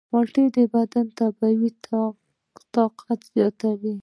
مالټې د بدن طبیعي طاقت زیاتوي.